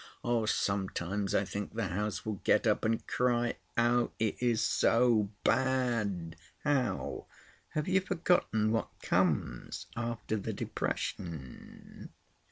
"Sometimes I think the house will get up and cry out—it is so bad." "How?" "Have you forgotten what comes after the depression?"